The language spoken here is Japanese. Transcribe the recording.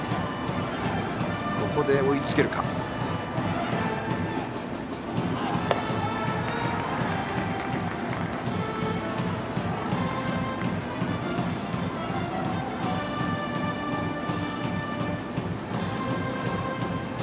ここで追いつけるか、山梨学院。